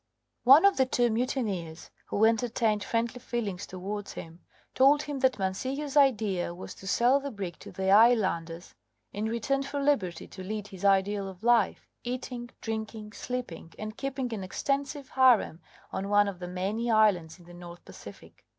One of the two mutineers, who entertained friendly feelings towards him, told him that Mancillo's idea was to sell the brig to the islanders in return for liberty to lead his ideal of life eating, drinking, sleeping, and keeping an extensive harem on one of the many islands in the North Pacific.